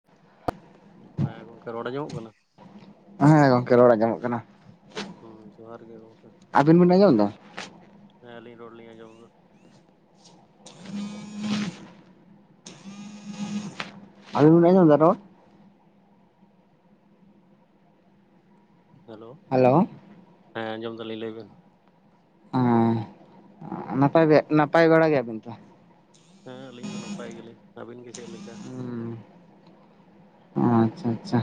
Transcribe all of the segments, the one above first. [unintelligible] ᱦᱮᱸ ᱜᱚᱝᱠᱮ ᱨᱚᱲ ᱟᱸᱡᱚᱢᱚᱜ ᱠᱟᱱᱟ ᱦᱮᱸ ᱜᱚᱝᱠᱮ ᱨᱚᱲ ᱟᱸᱡᱚᱢᱚᱜ ᱠᱟᱱᱟ ᱦᱮᱸ ᱡᱚᱦᱟᱨ ᱜᱮ ᱜᱚᱢᱠᱮ ᱟᱵᱤᱱ ᱵᱤᱱ ᱟᱸᱡᱚᱢ ᱮᱫᱟ ᱦᱮᱸᱟᱹᱞᱤᱧ ᱨᱚᱲ ᱞᱤᱧ ᱟᱸᱡᱚᱢ ᱮᱫᱟ ᱟᱹᱵᱤᱱ ᱵᱤᱱ ᱟᱸᱡᱚᱢ ᱮᱫᱟ ᱨᱚᱲ ᱦᱮᱞᱳ ᱦᱮᱞᱳ ᱦᱮᱸ ᱟᱸᱡᱚᱢ ᱫᱟᱞᱤᱧ ᱞᱟᱹᱭ ᱵᱤᱱ ᱦᱮᱸ ᱱᱟᱯᱟᱭ ᱱᱟᱯᱟᱭ ᱵᱟᱲᱟ ᱜᱮᱭᱟᱵᱤᱱ ᱛᱳ ᱦᱮᱸ ᱟᱹᱞᱤᱧ ᱫᱚ ᱱᱟᱯᱟᱭ ᱜᱮᱭᱟᱞᱤᱧ ᱟᱹᱵᱤᱱ ᱜᱮ ᱪᱮᱫ ᱞᱮᱠᱟ ᱚ ᱟᱪᱪᱷᱟ ᱟᱪᱪᱷᱟ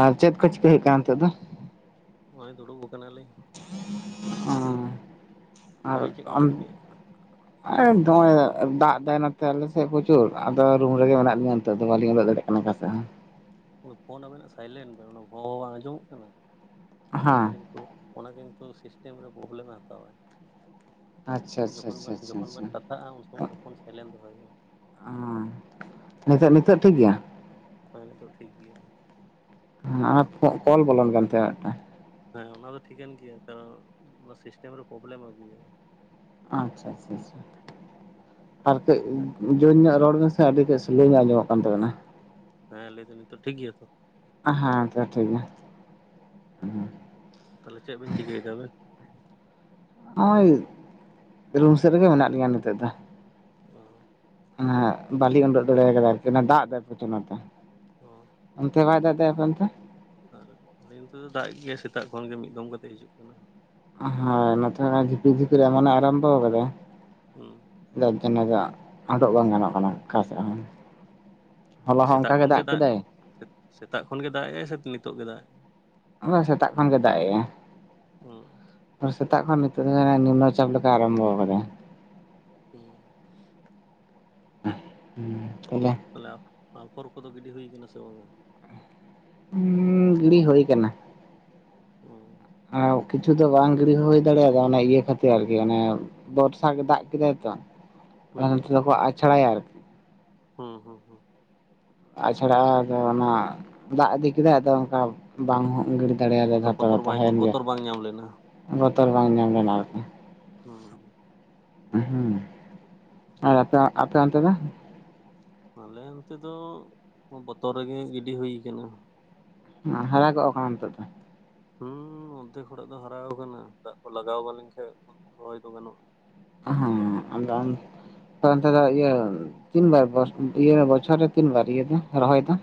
ᱟᱨ ᱪᱮᱫ ᱠᱚ ᱪᱤᱠᱟᱹ ᱦᱩᱭᱩᱜ ᱠᱟᱱᱟ ᱱᱤᱛᱚᱜ ᱫᱚ ᱱᱚᱜᱼᱚᱭ ᱫᱩᱲᱩᱵ ᱟᱠᱟᱱᱟᱞᱤᱧ ᱟᱨ ᱟᱹᱵᱤᱱ ᱪᱮᱫ ᱚᱱ ᱠᱚᱵᱤᱱ ᱪᱤᱠᱟᱹᱭᱮᱫ? [inaudible] ᱟᱨ ᱱᱚᱜᱼᱚᱭ ᱫᱟᱜ ᱫᱟᱭ ᱱᱚᱛᱮ ᱟᱞᱮᱥᱮᱫ ᱯᱨᱚᱪᱩᱨ ᱟᱫᱚ ᱨᱩᱢ ᱨᱮᱜᱮ ᱢᱮᱱᱟᱜ ᱞᱤᱧᱟ ᱱᱤᱛᱚᱜ ᱫᱚ ᱵᱟᱞᱤᱧ ᱚᱰᱚᱜ ᱫᱟᱲᱮᱭᱟᱜᱼᱟ ᱚᱱᱮ ᱠᱟᱥᱮᱜ ᱦᱚᱸ ᱚᱱᱟ ᱯᱷᱳᱱ ᱟᱵᱮᱱᱟᱜ ᱥᱟᱭᱞᱮᱱ ᱵᱮᱱ ᱚᱱᱟ ᱦᱚᱸ ᱦᱚᱸ ᱵᱟᱝ ᱟᱸᱡᱚᱢᱚᱜ ᱠᱟᱱᱟ ᱚᱱᱟ ᱠᱤᱱᱛᱩ ᱚᱱᱟ ᱠᱤᱱᱛᱩ ᱥᱤᱥᱴᱮᱢ ᱨᱮ ᱯᱚᱵᱞᱮᱢᱮ ᱦᱟᱛᱟᱣᱟᱭ᱾ ᱟᱪᱪᱷᱟ ᱟᱪᱪᱷᱟ ᱡᱚᱠᱷᱚᱱ ᱟᱪᱪᱷᱟ ᱵᱮᱱ ᱟᱪᱪᱷᱟ ᱡᱚᱠᱷᱚᱱ ᱵᱮᱱ ᱠᱟᱛᱷᱟᱜᱼᱟ ᱩᱱ ᱥᱚᱢᱚᱭ ᱫᱚ ᱯᱷᱳᱱ ᱥᱟᱭᱞᱮᱱ ᱨᱮ ᱫᱚᱦᱚᱭ ᱵᱮᱱ᱾ ᱚᱸ ᱱᱤᱛᱚᱜ ᱱᱤᱛᱳᱜ ᱴᱷᱤᱠ ᱜᱮᱭᱟ? ᱦᱮᱸ ᱱᱤᱛᱚᱜ ᱴᱷᱤᱠ ᱜᱮᱭᱟ᱾ ᱦᱮᱸᱟ ᱯᱷᱚ ᱠᱚᱞ ᱵᱚᱞᱚᱱ ᱠᱟᱱ ᱛᱟᱦᱮᱸ ᱟ ᱢᱤᱫᱴᱟᱝ᱾ ᱦᱮᱸ ᱚᱱᱟ ᱫᱚ ᱴᱷᱤᱠᱟᱹᱱ ᱜᱮᱭᱟ ᱠᱟᱨᱚᱸ ᱚᱱᱟ ᱥᱤᱥᱴᱮᱢ ᱨᱮ ᱯᱚᱵᱞᱮᱢ ᱟᱹᱜᱩᱭᱟᱭ᱾ ᱟᱪᱪᱷᱟ ᱪᱷᱟ ᱪᱷᱟ᱾ ᱟᱨ ᱠᱟᱹᱡ ᱡᱳᱨ ᱧᱚᱜ ᱨᱚᱲ ᱵᱤᱱ ᱥᱮ ᱟᱹᱰᱤ ᱠᱟᱹᱡ ᱥᱞᱳ ᱧᱚᱜ ᱟᱸᱡᱚᱢᱚᱜ ᱠᱟᱱ ᱛᱟᱵᱮᱱᱟ᱾ ᱦᱮᱸ ᱞᱟᱹᱭ ᱫᱟᱞᱤᱧ ᱱᱤᱛᱚᱜ ᱴᱷᱤᱠ ᱜᱮᱭᱟ ᱛᱚ? ᱟᱦᱮᱸ ᱱᱤᱛᱚᱜ ᱴᱷᱤᱠ ᱜᱮᱭᱟ᱾ ᱩᱸ ᱛᱟᱦᱞᱮ ᱪᱮᱜ ᱵᱤᱱ ᱪᱤᱠᱟᱹᱭᱫᱟ ᱟᱵᱮᱸ? ᱦᱚᱸᱜᱼᱚᱭ ᱨᱩᱢ ᱥᱮᱜ ᱨᱮᱜᱮ ᱢᱮᱱᱟᱜ ᱞᱤᱧᱟᱹ ᱱᱤᱛᱚᱜ ᱫᱚ᱾ ᱚ ᱮᱸ ᱵᱟᱹᱞᱤᱧ ᱩᱰᱩᱠ ᱫᱟᱲᱮᱭ ᱠᱟᱫᱟ ᱟᱹᱨᱠᱤ ᱚᱱᱟ ᱫᱟᱜ ᱫᱟᱭ ᱯᱚᱪᱩ ᱱᱚᱛᱮ᱾ ᱚ ᱚᱱᱛᱮ ᱵᱟᱭ ᱫᱟᱜ ᱫᱟᱭ ᱟᱯᱮ ᱚᱱᱛᱮ? ᱟᱨ ᱱᱤᱱ ᱛᱮᱫᱚ ᱫᱟᱜᱮᱜ ᱜᱮᱭᱟᱭ ᱥᱮᱛᱟᱜ ᱠᱷᱚᱱ ᱜᱮ ᱢᱤᱫ ᱫᱚᱢ ᱠᱟᱛᱮᱜ ᱦᱤᱡᱩᱜ ᱠᱟᱱᱟ᱾ ᱦᱳᱭ ᱱᱚᱛᱮ ᱡᱷᱤᱯᱤᱨ ᱡᱷᱤᱯᱤᱨ ᱮᱢᱚᱱᱮ ᱟᱨᱟᱢᱵᱚᱣ ᱠᱟᱫᱟᱭ ᱦᱩᱸ ᱡᱟᱨ ᱡᱚᱱᱱᱚ ᱫᱚ ᱩᱰᱚᱜ ᱵᱟᱝ ᱜᱟᱱᱚᱜ ᱠᱟᱱᱟ ᱚᱠᱟ ᱥᱮᱜ ᱦᱚᱸ᱾ ᱦᱚᱞᱟ ᱦᱚᱸ ᱥᱮᱛᱟᱜ ᱚᱱᱠᱟ ᱜᱮ ᱠᱷᱚᱱᱜᱮ ᱫᱟᱜ ᱠᱮᱫᱟᱭ ᱥᱮᱼᱥᱮᱛᱟᱜ ᱠᱷᱚᱱ ᱜᱮ ᱫᱟᱜ ᱮᱟᱭ ᱥᱮ ᱱᱤᱛᱚᱜ ᱜᱮ ᱫᱟᱜ ᱮᱟᱭ? ᱦᱚᱸ ᱥᱮᱛᱟᱜ ᱠᱷᱚᱱ ᱜᱮ ᱫᱟᱜ ᱮᱟᱭ᱾ ᱦᱩᱸ ᱟᱨ ᱥᱮᱛᱟᱜ ᱠᱷᱚᱱ ᱱᱤᱛᱚᱜ [inaudible] ᱱᱤᱢᱱᱚ ᱪᱟᱯ ᱞᱮᱠᱟᱭ ᱟᱨᱟᱢᱵᱚ ᱠᱟᱫᱟᱭ᱾ ᱦᱩᱸ ᱦᱩᱸ ᱟᱫᱚ ᱛᱟᱦᱞᱮ ᱟᱯᱷᱚᱨ ᱠᱚᱫᱚ ᱜᱤᱰᱤ ᱦᱩᱭ ᱠᱟᱱᱟ ᱥᱮ ᱵᱟᱝᱼᱟ? ᱩᱸ ᱜᱤᱲᱤ ᱦᱳᱭ ᱠᱟᱱᱟ᱾ ᱚ ᱚᱸ ᱠᱤᱪᱷᱩ ᱫᱚ ᱵᱟᱝ ᱜᱤᱲᱤ ᱦᱩᱭ ᱫᱟᱲᱮᱭᱟᱫᱟ ᱚᱱᱟ ᱤᱭᱟᱹ ᱠᱷᱟᱹᱛᱤᱨ ᱟᱨᱠᱤ ᱚᱱᱮ ᱵᱚᱨᱥᱟ ᱨᱮ ᱫᱟᱜ ᱠᱮᱫᱟᱭ ᱛᱚ [inaudible] ᱦᱩᱸ ᱱᱚᱛᱮ ᱫᱚᱠᱚ ᱟᱪᱷᱲᱟᱭᱟ ᱟᱨ ᱦᱩᱸ ᱦᱩᱸ ᱦᱩᱸ ᱟᱪᱷᱟᱲᱟ ᱨᱮ ᱚᱱᱟ ᱫᱟᱜ ᱤᱫᱤ ᱠᱮᱫᱟᱭ ᱟᱫᱚ ᱚᱝᱠᱟ ᱵᱟᱝ ᱦᱚᱸᱜ ᱜᱤᱲᱤ ᱫᱟᱲᱮᱭᱟᱫᱟ ᱚᱱᱠᱟ ᱡᱷᱚᱛᱚᱨᱮ ᱵᱚᱛᱚᱨ ᱵᱟᱝ ᱛᱟᱦᱮᱱ ᱜᱮ ᱵᱚᱛᱚᱨ ᱵᱟᱝ ᱧᱟᱢ ᱞᱮᱱᱟ ᱵᱚᱛᱚᱨ ᱵᱟᱝ ᱧᱟᱢ ᱞᱮᱱᱟ ᱟᱨᱠᱤ᱾ ᱦᱩᱸ ᱦᱩᱸ ᱦᱩᱸ ᱟᱨ ᱟᱯᱮ ᱟᱯᱮ ᱚᱱᱛᱮ ᱫᱚ? ᱟᱞᱮ ᱚᱱᱛᱮ ᱫᱚ ᱵᱚᱛᱚᱨ ᱜᱮ ᱜᱤᱰᱤ ᱦᱩᱭ ᱠᱟᱱᱟ᱾ ᱦᱟᱨᱟ ᱜᱚᱜ ᱠᱟᱱᱟ ᱱᱤᱛᱚᱜ ᱫᱚ? ᱦᱩᱸ ᱚᱫᱫᱷᱮᱠ ᱦᱚᱲᱟᱜ ᱫᱚ ᱦᱟᱨᱟᱣ ᱠᱟᱱᱟ ᱫᱟᱜ ᱠᱚ ᱞᱟᱜᱟᱣ ᱵᱟ ᱞᱮᱱ ᱠᱷᱟᱡ [inaudible] ᱨᱚᱦᱚᱭ ᱫᱚ ᱜᱟᱱᱚᱜᱼᱟ᱾ ᱦᱩᱸ ᱟᱫᱚ ᱚᱱ ᱯᱮ ᱚᱱᱛᱮ ᱫᱚ ᱤᱭᱟᱹ ᱛᱤᱱ ᱵᱟᱨ ᱵᱚᱥ ᱤᱭᱟᱹ ᱵᱚᱪᱚᱨ ᱨᱮ ᱛᱤᱱ ᱵᱟᱨ ᱤᱭᱟᱹ ᱫᱚ ᱨᱚᱦᱚᱭ ᱫᱚ?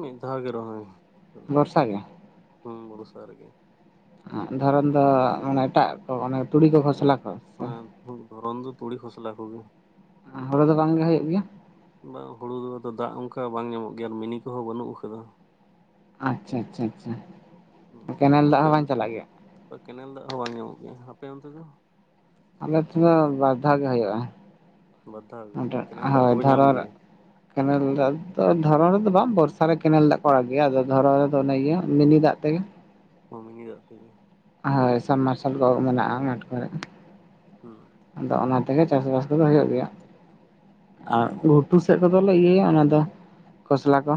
ᱢᱤᱫ ᱫᱷᱟᱣ ᱜᱮ ᱨᱚᱦᱚᱭ ᱵᱚᱨᱥᱟ ᱜᱮ ᱦᱩᱸ ᱵᱚᱨᱥᱟ ᱨᱮᱜᱮ᱾ ᱫᱷᱚᱨᱚᱱ ᱫᱚ ᱢᱟᱱᱮ ᱮᱴᱟᱜ ᱠᱚ ᱚᱱᱮ ᱛᱩᱲᱤ ᱠᱚ ᱠᱷᱚᱥᱞᱟ ᱠᱚ ᱥᱮ? ᱦᱩᱸ ᱫᱷᱚᱨᱚᱱ ᱫᱚ ᱛᱩᱲᱤ, ᱠᱷᱚᱥᱞᱟ ᱠᱚᱜᱮ᱾ ᱦᱳᱲᱳ ᱫᱚ ᱵᱟᱝ ᱜᱮ ᱦᱳᱭᱳᱜ ᱜᱮᱭᱟ? ᱵᱟᱝ ᱦᱩᱲᱩ ᱫᱚ ᱟᱫᱚ ᱫᱟᱜ ᱚᱱᱠᱟ ᱵᱟᱝ ᱧᱟᱢᱚᱜ ᱜᱮᱭᱟ ᱟᱨ ᱢᱤᱱᱤ ᱠᱚ ᱦᱚᱸ ᱵᱟᱹᱱᱩᱜ ᱟᱠᱟᱫᱟ᱾ ᱟᱪᱪᱷᱟ ᱟᱪᱪᱷᱟ ᱟᱪᱪᱷᱟ, ᱠᱮᱱᱮᱞ ᱫᱟᱜ ᱦᱚᱸ ᱵᱟᱝ ᱪᱟᱞᱟᱜ ᱜᱮᱭᱟ? ᱛᱚ ᱠᱮᱱᱮᱞ ᱫᱟᱜ ᱦᱚᱸ ᱵᱟᱝ ᱧᱟᱢᱚᱜ ᱜᱮᱭᱟ, ᱟᱯᱮ ᱚᱱᱛᱮ ᱫᱚ? ᱟᱞᱮ ᱴᱷᱮᱱ ᱫᱚ ᱵᱟᱨ ᱫᱷᱟᱣ ᱜᱮ ᱦᱳᱭᱳᱜᱼᱟ, ᱵᱟᱨ ᱫᱷᱟᱣ ᱜᱮ ᱚᱸᱰᱮ ᱠᱮᱱᱮᱞ ᱫᱟᱜ ᱦᱳᱭ ᱠᱚᱯᱮ ᱧᱟᱢ ᱫᱷᱚᱨᱚᱱ ᱨᱮ ᱜᱮᱭᱟ ᱠᱮᱱᱮᱞ ᱫᱟᱜ ᱫᱚ ᱫᱷᱚᱨᱚᱱ ᱨᱮᱫᱚ ᱵᱟᱝ ᱵᱚᱨᱥᱟ ᱨᱮ ᱠᱮᱱᱮᱞ ᱫᱟᱜ ᱠᱚ ᱟᱲᱟᱜ ᱜᱮᱭᱟ᱾ ᱟᱫᱚ ᱫᱷᱚᱨᱚᱱ ᱨᱮᱫᱚ ᱚᱱᱮ ᱤᱭᱟᱹ ᱢᱤᱱᱤ ᱫᱟᱜ ᱛᱮᱜᱮ᱾ ᱚ ᱢᱤᱱᱤ ᱫᱟᱜ ᱛᱮᱜᱮ᱾ ᱦᱳᱭ ᱥᱟᱵᱽᱢᱟᱨᱥᱟᱞ ᱠᱚ ᱦᱚᱸ ᱢᱮᱱᱟᱜᱼᱟ ᱢᱟᱴᱷ ᱠᱚᱨᱮ᱾ ᱦᱩᱸ᱾ ᱟᱫᱚ ᱚᱱᱟ ᱛᱮᱜᱮ ᱪᱟᱥᱵᱟᱥ ᱠᱚᱫᱚ ᱦᱳᱭᱳᱜ ᱜᱮᱭᱟ᱾ ᱟᱨ ᱜᱷᱩᱴᱩ ᱥᱮᱫ ᱠᱚᱫᱚ ᱞᱮ ᱤᱭᱟᱹᱭᱟ ᱚᱱᱟ ᱫᱚ ᱠᱚᱥᱞᱟ ᱠᱚ᱾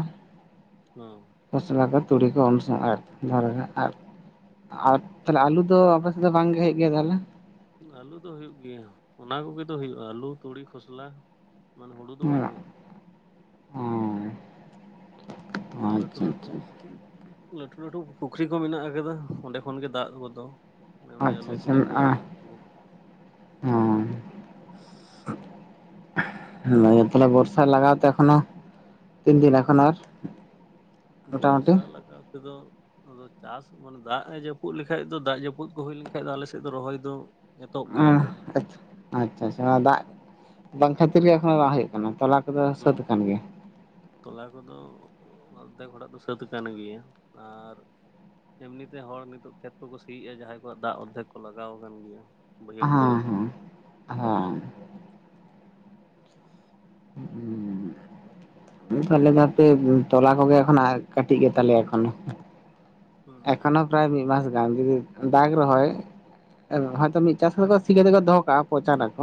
ᱚᱸ᱾ ᱠᱷᱚᱥᱞᱟ ᱠᱚ ᱛᱩᱲᱤ ᱠᱚ ᱩᱱ ᱥᱚᱢᱚᱭ ᱟᱨ ᱫᱷᱚᱨᱚᱱ ᱨᱮ ᱟᱨ ᱟᱨ ᱛᱟᱦᱞᱮ ᱟᱞᱩ ᱫᱚ ᱟᱯᱮ ᱥᱮᱫ ᱫᱚ ᱵᱟᱝ ᱜᱮ ᱦᱳᱭᱳᱜ ᱜᱮᱭᱟ ᱛᱟᱦᱞᱮ? ᱟᱹᱞᱩ ᱫᱚ ᱦᱩᱭᱩᱜ ᱜᱮᱭᱟ, ᱚᱱᱟ ᱠᱚᱜᱮ ᱛᱚ ᱦᱩᱭᱩᱜᱼᱟ ᱟᱹᱞᱩ, ᱛᱩᱲᱤ, ᱠᱷᱚᱥᱞᱟ᱾ ᱢᱟᱱᱮ ᱦᱩᱲᱩ ᱫᱚ ᱵᱟᱝ ᱦᱩᱭᱩᱜ ᱚᱸᱻ᱾ ᱟᱫᱚ ᱞᱟᱹᱴᱷᱩ ᱞᱟᱹᱴᱷᱩ ᱞᱟᱹᱴᱷᱩ ᱞᱟᱹᱴᱷᱩ ᱯᱩᱠᱷᱨᱤ ᱠᱚ ᱢᱮᱱᱟᱜ ᱟᱠᱟᱫᱟ, ᱚᱸᱰᱮ ᱠᱷᱚᱱ ᱜᱮ ᱫᱟᱜ ᱠᱚᱫᱚ᱾ ᱱᱮᱜᱼᱮ ᱱᱤᱭᱟᱹ ᱟᱪᱪᱷᱟ ᱟᱪᱪᱷᱟ ᱟᱪᱪᱷᱟ ᱟᱹᱞᱩ, ᱛᱩᱲᱤ ᱠᱚ᱾ ᱦᱮᱸ᱾ [inaudible] ᱚᱱᱟ ᱜᱮ ᱛᱟᱦᱞᱮ ᱵᱚᱨᱥᱟ ᱞᱟᱜᱟᱣ ᱛᱮ ᱮᱠᱷᱚᱱᱳ ᱛᱤᱱ ᱫᱤᱱ ᱮᱠᱷᱚᱱ ᱟᱨ? ᱢᱚᱴᱟᱢᱩᱴᱤ ᱵᱚᱨᱥᱟ ᱞᱟᱜᱟᱣ ᱛᱮᱫᱚ ᱟᱫᱚ ᱪᱟᱥ ᱢᱟᱱᱮ ᱫᱟᱜ ᱮ ᱡᱟᱹᱯᱩᱫ ᱞᱮᱠᱷᱟᱡ ᱫᱚ ᱫᱟᱜ ᱡᱟᱹᱯᱩᱫ ᱠᱚ ᱦᱩᱭ ᱞᱮᱱᱠᱷᱟᱡ ᱫᱚ ᱟᱞᱮ ᱥᱮᱫ ᱫᱚ ᱨᱚᱦᱚᱭ ᱫᱚ ᱮᱛᱚᱦᱚᱵ ᱜᱮᱭᱟ ᱟᱸᱦ ᱠᱚ ᱟᱪ ᱟᱪᱪᱷᱟ ᱟᱪᱪᱷᱟ ᱫᱟᱜ ᱵᱟᱝ ᱠᱷᱟᱹᱛᱤᱨ ᱜᱮ ᱮᱠᱷᱚᱱᱳ ᱵᱟᱝ ᱦᱳᱭᱳᱜ ᱠᱟᱱᱟ ᱛᱚᱞᱟ ᱠᱚᱫᱚ ᱦᱩᱸ ᱥᱟᱹᱛ ᱟᱠᱟᱱ ᱜᱮᱭᱟ? ᱛᱚᱞᱟ ᱠᱚᱫᱚ ᱚᱫᱫᱷᱮᱠ ᱦᱚᱲᱟᱜ ᱫᱚ ᱥᱟᱹᱛ ᱟᱠᱟᱱ ᱜᱮᱭᱟ ᱟᱨ ᱮᱢᱱᱤ ᱛᱮ ᱦᱚᱲ ᱱᱤᱛᱚᱜ ᱠᱷᱮᱛ ᱠᱚᱠᱚ ᱥᱤᱭᱮᱜᱼᱟ, ᱡᱟᱦᱟᱸᱭ ᱠᱚᱣᱟᱜ ᱫᱟᱜ ᱚᱨᱫᱷᱮᱠ ᱠᱚ ᱞᱟᱜᱟᱣ ᱟᱠᱟᱱ ᱜᱮᱭᱟ᱾ ᱵᱟᱹᱭᱦᱟᱹᱲ ᱠᱚᱨᱮ ᱦᱚᱸ ᱦᱚᱸ ᱦᱚ ᱾ ᱟᱞᱮ ᱫᱚ ᱦᱟᱯᱮ ᱛᱚᱞᱟ ᱠᱚᱜᱮ ᱮᱠᱷᱚᱱᱚ ᱠᱟᱹᱴᱤᱡ ᱜᱮ ᱛᱟᱞᱮᱭᱟ ᱮᱠᱷᱚᱱᱚ᱾ ᱦᱩᱸ ᱮᱠᱷᱚᱱᱚ ᱯᱨᱟᱭ ᱢᱤᱫ ᱢᱟᱥ ᱜᱟᱱ, ᱡᱩᱫᱤ ᱫᱟᱜᱽ ᱨᱮᱦᱚᱸᱭ ᱮ ᱦᱚᱭᱛᱚ ᱢᱤᱫ ᱪᱟᱥ ᱠᱟᱛᱮ ᱫᱚ ᱥᱤ ᱠᱟᱛᱮ ᱠᱚ ᱫᱚᱦᱚ ᱠᱟᱜᱼᱟ ᱯᱚᱸᱪᱟᱱ ᱟᱠᱚ᱾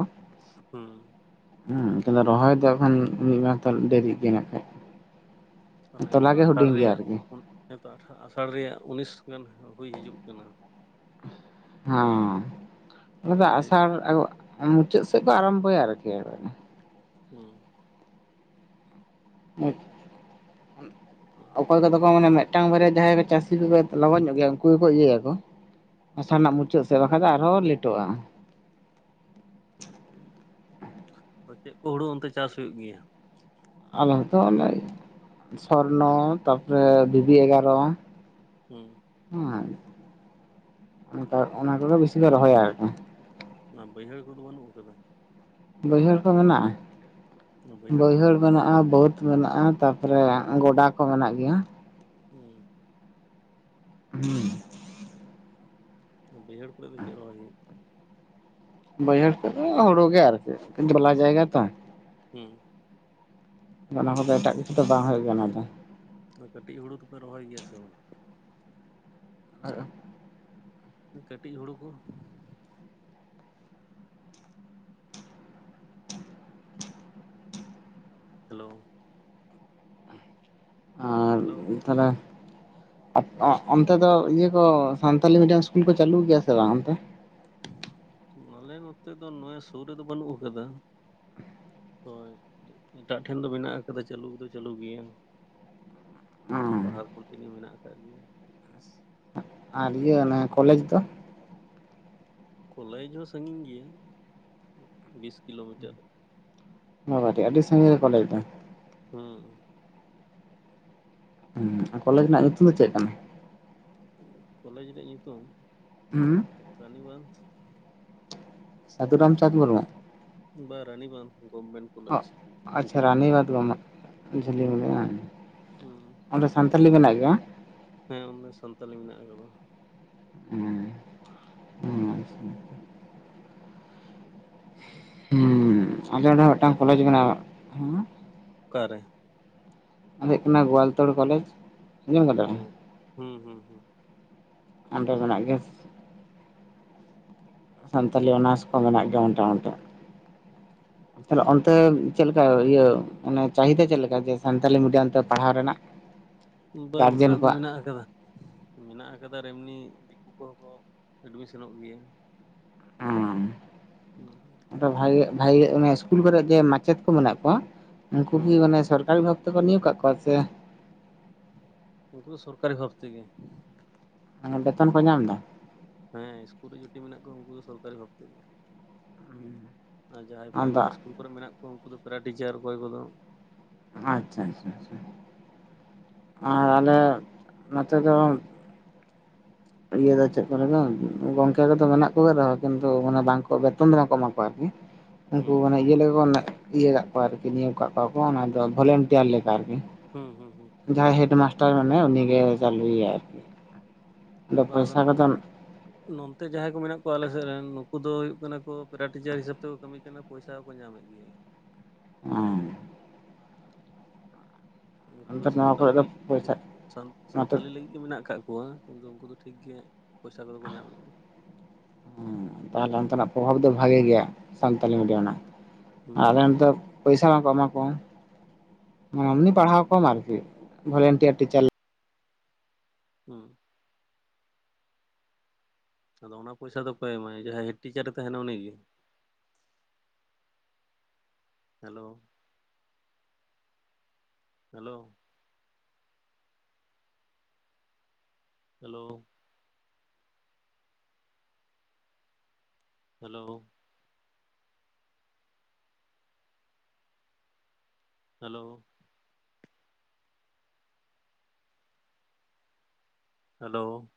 ᱦᱩᱸ᱾ ᱦᱮᱸ ᱛᱟᱦᱚᱞᱮ ᱨᱚᱦᱚᱭ ᱫᱚ ᱦᱟᱸᱜ ᱠᱷᱟᱱ ᱢᱤᱫ ᱢᱟᱥ ᱜᱟᱱ ᱰᱮᱨᱤᱜ ᱜᱮᱭᱟ ᱱᱟᱜ ᱠᱷᱟᱡ᱾ ᱛᱟᱦᱚᱞᱮ ᱛᱚ ᱛᱚᱞᱟ ᱜᱮ ᱟᱥᱟᱲ ᱦᱩᱰᱤᱧ ᱜᱮᱭᱟ ᱨᱮᱭᱟᱜ ᱟᱨᱠᱤ᱾ ᱦᱮᱸᱛᱚ ᱟᱴᱷᱟᱲ ᱟᱥᱟᱲ ᱨᱮᱭᱟᱜ ᱩᱱᱤᱥ ᱜᱟᱱ ᱦᱩᱭ ᱦᱤᱡᱩᱜ ᱠᱟᱱᱟ᱾ ᱦᱚᱸᱻ ᱚᱱᱟ ᱫᱚ ᱛᱟᱦᱚᱞᱮ ᱛᱮ ᱟᱥᱟᱲ ᱢᱩᱪᱟᱹᱫ ᱥᱮᱫ ᱫᱚ ᱟᱨᱟᱢᱵᱚᱭᱟ ᱟᱨᱠᱤ᱾ ᱦᱩᱸ᱾ ᱮᱫ ᱚᱠᱚᱭ ᱠᱚᱫᱚ ᱠᱚ ᱢᱮᱱᱟ ᱢᱮᱫ ᱢᱮᱫᱴᱟᱝ ᱵᱟᱨᱭᱟ ᱡᱟᱦᱟᱸᱭ ᱠᱚ ᱪᱟᱹᱥᱤ ᱠᱚᱠᱚ ᱞᱚᱜᱚᱱ ᱧᱚᱜ ᱜᱮᱭᱟ, ᱩᱱᱠᱩ ᱜᱮᱠᱚ ᱤᱭᱟᱹᱭᱟᱠᱚ ᱟᱥᱟᱲ ᱦᱩᱸ ᱨᱮᱱᱟᱜ ᱦᱩᱸ ᱢᱩᱪᱟᱹᱫ ᱛᱮ ᱵᱟᱠᱷᱟᱱ ᱫᱚ ᱟᱨᱦᱚᱸ ᱞᱮᱴᱚᱜᱼᱟ᱾ ᱪᱮᱫ ᱠᱚ ᱦᱩᱲᱩ ᱚᱱᱛᱮ ᱪᱟᱥ ᱦᱩᱭᱩᱜ ᱜᱮᱭᱟ? ᱟᱞᱮ ᱦᱚᱸ ᱛᱚ ᱚᱱ ᱥᱚᱨᱱᱟ ᱛᱟᱯᱚᱨᱮ ᱫᱤᱵᱤ ᱮᱜᱟᱨ ᱦᱩᱸ ᱾ ᱦᱮᱸ ᱚᱱᱟ ᱠᱚᱜᱮ ᱵᱤᱥᱤ ᱫᱚ ᱨᱚᱦᱚᱭᱟ ᱟᱨᱠᱤ ᱾ ᱚᱱᱟ ᱵᱟᱹᱭᱦᱟᱹᱲ ᱠᱚᱫᱚ ᱵᱟᱹᱱᱩᱜ ᱠᱟᱫᱟ? ᱵᱟᱹᱭᱦᱟᱹᱲ ᱠᱚ ᱢᱮᱱᱟᱜᱼᱟ, ᱚᱱᱟ ᱠᱚᱨᱮ ᱫᱚ ᱵᱟᱹᱭᱦᱟᱹᱲ ᱪᱮᱫ ᱢᱮᱱᱟᱜᱼᱟ ᱵᱟᱹᱫᱽ ᱢᱮᱱᱟᱜᱼᱟ ᱛᱟᱯᱚᱨᱮ ᱜᱟᱰᱟ ᱠᱚ ᱢᱮᱱᱟᱜ ᱜᱮᱭᱟ ᱾ ᱦᱩᱸ ᱾ [unintelligible] ᱵᱟᱹᱭᱦᱟᱹᱲ ᱠᱚᱨᱮ ᱫᱚ ᱪᱮᱫ ᱨᱚᱦᱚᱭ ᱦᱩᱭᱩᱜ ᱵᱟᱹᱭᱦᱟᱹᱲ ᱠᱚ ᱦᱩᱲᱩ ᱜᱮ ᱟᱨ ᱪᱮᱫ ᱡᱷᱚᱞᱟ ᱡᱟᱭᱜᱟ ᱛᱚ ᱦᱩᱸ ᱚᱱᱟ ᱠᱚᱫᱚ ᱮᱴᱟᱜ ᱠᱤᱪᱷᱩ ᱫᱚ ᱵᱟᱝ ᱦᱩᱭᱩᱜ ᱠᱟᱱᱟ ᱛᱚ ᱾ ᱠᱟᱹᱴᱤᱡ ᱦᱩᱲᱩ ᱫᱚᱯᱮ ᱨᱚᱦᱚᱭ ᱜᱮᱭᱟ ᱥᱮ ᱵᱟᱝ? ᱟᱨ ᱠᱟᱹᱴᱤᱡ ᱦᱩᱲᱩ ᱠᱚ ᱦᱟᱞᱳ ᱾ ᱦᱟᱞᱳ ᱾ ᱛᱟᱦᱚᱞᱮ ᱚᱱᱛᱮ ᱫᱚ ᱤᱭᱟᱹ ᱠᱚ ᱥᱟᱱᱛᱟᱞᱤ ᱢᱤᱰᱤᱭᱟᱢ ᱤᱥᱠᱩᱞ ᱠᱚ ᱪᱟᱹᱞᱩ ᱜᱮᱭᱟ ᱥᱮ ᱵᱟᱝ ᱚᱱᱛᱮ? ᱟᱞᱮ ᱱᱚᱛᱮ ᱫᱚ ᱱᱚᱜᱼᱚᱸᱭ ᱥᱩᱨ ᱨᱮᱫᱚ ᱵᱟᱹᱱᱩᱜ ᱠᱟᱫᱟ ᱾ ᱦᱳᱭ ᱮᱴᱟᱜ ᱴᱷᱮᱱ ᱫᱚ ᱢᱮᱱᱟᱜ ᱟᱠᱟᱫᱟ ᱪᱟᱹᱞᱩ ᱫᱚ ᱪᱟᱹᱞᱩ ᱜᱮᱭᱟ ᱾ ᱯᱟᱲᱦᱟᱣ ᱠᱚ ᱛᱤᱱᱟᱹᱜ ᱢᱮᱱᱟᱜ ᱟᱠᱟᱫ ᱜᱮᱭᱟ᱾ ᱟᱨ ᱤᱭᱟᱹ ᱚᱱᱟ ᱠᱳᱞᱮᱡᱽ ᱫᱚ, ᱠᱳᱞᱮᱡᱽ ᱦᱚᱸ ᱥᱟᱺᱜᱤᱧ ᱜᱮᱭᱟ ᱵᱤᱥ ᱠᱤᱞᱳᱢᱤᱴᱟᱨ ᱾ ᱱᱚᱶᱟ ᱠᱟ. ᱴᱤᱡ ᱟᱹᱰᱤ ᱥᱟᱺᱜᱤᱧ ᱨᱮ ᱠᱳᱞᱮᱡᱽ ᱫᱚ ᱾ ᱦᱩᱸ ᱦᱩᱸ ᱟᱨ ᱠᱳᱞᱮᱡᱽ ᱨᱮᱱᱟᱜ ᱧᱩᱛᱩᱢ ᱫᱚ ᱪᱮᱫ ᱠᱟᱱᱟ? ᱠᱳᱞᱮᱡᱽ ᱨᱮᱭᱟᱜ ᱧᱩᱛᱩᱢ ᱦᱩᱸ ᱨᱟᱱᱤᱵᱟᱸᱱᱫᱷ, ᱥᱟᱫᱷᱩᱨᱟᱢ ᱪᱟᱸᱫᱽ ᱢᱩᱨᱢᱩ ᱾ ᱵᱟ ᱨᱟᱱᱤᱵᱟᱸᱫᱷ ᱜᱚᱵᱷᱢᱮᱱᱴ ᱚ ᱠᱳᱞᱮᱡᱽ ᱟᱪᱪᱷᱟ ᱨᱟᱱᱤ ᱡᱷᱤᱞᱤᱢᱤᱞᱤ ᱠᱷᱚᱱ, ᱵᱟᱸᱫᱷᱩᱣᱟᱜ ᱡᱷᱟᱹᱞᱤᱢᱟᱞᱤ ᱵᱟᱝ [unintelligible] ᱚᱸᱰᱮ ᱥᱟᱱᱛᱟᱞᱤ ᱢᱮᱱᱟᱜ ᱜᱮᱭᱟ ᱵᱟᱝ? ᱦᱮᱸ ᱚᱸᱰᱮ ᱥᱟᱱᱛᱟᱞᱤ ᱢᱮᱱᱟᱜ ᱟᱠᱟᱫᱟ ᱾ [inaudible] ᱦᱩᱸ ᱟᱞᱮ ᱚᱸᱰᱮ ᱦᱚᱸ ᱢᱤᱫᱴᱟᱝ ᱛᱟᱦᱮᱸ ᱫᱚ ᱠᱳᱞᱮᱡᱽ ᱢᱮᱱᱟᱜᱼᱟ, ᱱᱚᱣᱟ ᱚᱠᱟᱨᱮ ᱫᱚ ᱦᱩᱭᱩᱜ ᱠᱟᱱᱟ ᱜᱚᱣᱟᱞᱴᱳᱲ ᱠᱳᱞᱮᱡᱽ, ᱟᱡᱚᱢ ᱫᱟᱵᱮᱱ ᱦᱩᱸ ᱦᱩᱸ ᱦᱩᱸ ᱚᱸᱰᱮ ᱢᱮᱱᱟᱜ ᱜᱮ ᱥᱟᱱᱛᱟᱞᱤ ᱛᱱᱟᱨᱥ ᱠᱚ ᱢᱮᱱᱟᱜ ᱜᱮ ᱚᱱᱴᱮ ᱚᱱᱴᱮ᱾ [unintelligible] ᱛᱟᱦᱚᱞᱮ ᱚᱱᱛᱮ ᱪᱮᱫ ᱞᱮᱠᱟ ᱤᱭᱟᱹ ᱚᱱᱮ ᱪᱟᱦᱤᱫᱟ ᱪᱮᱫ ᱞᱮᱠᱟ ᱡᱮ ᱥᱟᱱᱛᱟᱞᱤ ᱢᱤᱰᱤᱭᱟᱢ ᱛᱮ ᱯᱟᱲᱦᱟᱣ ᱨᱮᱱᱟᱜ? ᱵᱟᱝ ᱜᱟᱨᱡᱮᱱ ᱢᱮᱱᱟᱜ ᱫᱚ ᱠᱚᱣᱟᱜ ᱢᱮᱱᱟᱜ ᱟᱠᱟᱫᱟ ᱾ ᱢᱮᱱᱟᱜ ᱟᱠᱟᱫᱟ ᱟᱨ ᱮᱢᱱᱤ ᱫᱤᱠᱩ ᱠᱚ ᱠᱚ ᱮᱰᱢᱤᱥᱚᱱᱚᱜ ᱜᱮᱭᱟ ᱾ ᱦᱩᱸ ᱟᱫᱚ ᱵᱷᱟᱜᱤ ᱵᱷᱟᱜᱤ [inaudible] ᱤᱥᱠᱩᱞ ᱠᱚᱨᱮ ᱡᱮ ᱢᱟᱪᱮᱛ ᱠᱚ ᱢᱮᱱᱟᱜ ᱠᱚᱣᱟ ᱩᱱᱠᱩ ᱦᱩᱸ ᱠᱤ ᱢᱟᱱᱮ ᱥᱚᱨᱠᱟᱨᱤ ᱵᱷᱟᱵ ᱛᱮᱠᱚ ᱱᱤᱭᱳᱜ ᱠᱟᱜ ᱠᱚᱣᱟ ᱪᱮ ᱩᱱᱠᱩ ᱫᱚ ᱥᱚᱨᱠᱟᱨᱤ ᱵᱷᱟᱵ ᱛᱮᱜᱮ᱾ ᱟᱨ ᱵᱮᱛᱚᱱ ᱠᱚ ᱧᱟᱢ ᱫᱟ? ᱦᱮᱸ ᱤᱥᱠᱩᱞ ᱨᱮ ᱡᱩᱴᱤ ᱢᱮᱱᱟᱜ ᱠᱚᱣᱟ ᱩᱱᱠᱩ ᱫᱚ ᱥᱚᱨᱠᱟᱨᱤ ᱵᱷᱟᱵ ᱛᱮᱜᱮ᱾ ᱟᱨ ᱡᱟᱦᱟᱸᱭ ᱟᱫᱚ ᱯᱨᱟᱭ-ᱢᱟᱨᱤ ᱤᱥᱠᱩᱞ ᱠᱚᱨᱮ ᱢᱮᱱᱟᱜ ᱠᱚᱣᱟ ᱩᱱᱠᱩ ᱫᱚ ᱯᱮᱨᱟ ᱴᱤᱪᱟᱨ ᱚᱠᱚᱭ ᱠᱚᱫᱚ ᱟᱪᱪᱷᱟ, ᱟᱪᱪᱷᱟ, ᱟᱨ ᱟᱞᱮ ᱱᱚᱛᱮ ᱫᱚ ᱤᱭᱟᱹ ᱫᱚ ᱪᱮᱫ ᱠᱚᱨᱮ ᱫᱚ ᱜᱚᱝᱠᱮ ᱠᱚᱫᱚ ᱢᱮᱱᱟᱜ ᱠᱚᱜ ᱨᱮᱦᱚᱸ ᱠᱤᱱᱛᱩ ᱢᱟᱱᱮ ᱵᱟᱝ ᱠᱚ ᱵᱮᱛᱚᱱ ᱫᱚ ᱵᱟᱝᱠᱚ ᱮᱢᱟ ᱠᱚᱣᱟ ᱟᱨᱠᱤ᱾ ᱩᱱᱠᱩ ᱦᱩᱸ ᱢᱟᱱᱮ ᱤᱭᱟᱹ ᱞᱮᱠᱟ ᱠᱚ ᱤᱭᱟᱹ ᱠᱟᱜ ᱠᱚᱣᱟ ᱟᱨᱠᱤ ᱱᱤᱭᱳᱜ ᱠᱟᱜ ᱠᱚᱣᱟ ᱠᱚ ᱚᱱᱟ ᱫᱚ ᱵᱷᱚᱞᱮᱱᱴᱤᱭᱟᱨ ᱞᱮᱠᱟ ᱟᱨᱠᱤ᱾ ᱦᱩᱸ ᱦᱩᱸ ᱦᱩᱸ ᱡᱟᱦᱟᱸᱭ ᱦᱮᱰ ᱢᱟᱥᱴᱟᱨ ᱢᱮᱱᱟᱭᱟ ᱩᱱᱤ ᱜᱮ ᱪᱟᱹᱞᱩᱭᱟ ᱟᱨᱠᱤ᱾ ᱟᱫᱚ [unintelligible] ᱯᱚᱭᱥᱟ ᱠᱚᱫᱚ ᱱᱚᱱ ᱛᱮ ᱡᱟᱦᱟᱸᱭ ᱠᱚ ᱢᱮᱱᱟᱜ ᱠᱚᱣᱟ ᱟᱞᱮ ᱥᱮᱫ ᱨᱮᱱ ᱱᱩᱠᱩ ᱫᱚ ᱦᱩᱭᱩᱜ ᱠᱟᱱᱟ ᱠᱚ ᱯᱮᱨᱟ ᱴᱤᱪᱟᱨ ᱦᱤᱥᱟᱹᱵ ᱛᱮᱠᱚ ᱠᱟᱹᱢᱤ ᱠᱟᱱᱟ ᱯᱚᱭᱥᱟ ᱠᱚ ᱠᱚ ᱧᱟᱢᱮᱫ ᱜᱮᱭᱟ᱾ ᱩᱱᱠᱩ ᱫᱚ ᱦᱮᱸ ᱱᱩᱠᱩ ᱫᱚ ᱱᱚᱣᱟ ᱥᱟᱱᱛᱟᱞᱤ ᱠᱚᱨᱮ ᱫᱚ ᱯᱚᱭᱥᱟ [unintelligible] ᱱᱚᱛᱮ ᱥᱟᱱᱛᱟᱞᱤ ᱞᱟᱹᱜᱤᱫ ᱜᱮ ᱢᱮᱱᱟᱜ ᱟᱠᱟᱫ ᱠᱚᱣᱟ᱾ ᱠᱤᱱᱛᱩ ᱩᱱᱠᱩ ᱫᱚ ᱴᱷᱤᱠ ᱜᱮ ᱯᱚᱭᱥᱟ ᱠᱚᱫᱚ ᱠᱚ ᱧᱟᱢᱮᱫ ᱦᱮᱸ ᱛᱟᱦᱚᱞᱮ ᱚᱱᱛᱮ ᱱᱟᱜ ᱯᱨᱚᱵᱷᱟᱵ ᱫᱚ ᱵᱷᱟᱜᱮ ᱜᱮᱭᱟ᱾ ᱥᱟᱱᱛᱟᱞᱤ ᱢᱤᱰᱤᱭᱟᱢ ᱨᱮᱱᱟᱜ ᱦᱩᱸ ᱟᱞᱮ ᱦᱩᱸ ᱱᱚᱛᱮ ᱯᱚᱭᱥᱟ ᱵᱟᱝ-ᱠᱚ ᱮᱢᱟ ᱠᱚᱣᱟ᱾ ᱮᱢᱱᱤ ᱦᱩᱸ ᱯᱟᱲᱦᱟᱣ ᱠᱚᱢ ᱟᱨᱠᱤ ᱵᱷᱚᱞᱮᱱ-ᱴᱤᱭᱟᱨ ᱴᱤᱪᱟᱨ ᱦᱩᱸ ᱟᱫᱚ ᱚᱱᱟ ᱯᱚᱭᱥᱟ ᱫᱚ ᱚᱠᱚᱭ ᱮᱢᱟᱭ ᱡᱟᱦᱟᱸᱭ ᱦᱮᱰ ᱴᱤᱪᱟᱨᱮ ᱛᱟᱦᱮᱱᱟ ᱩᱱᱤᱜᱮ? Hello. Hello. Hello. Hello. Hello. Hello.